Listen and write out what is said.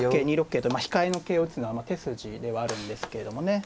桂と控えの桂を打つのは手筋ではあるんですけれどもね。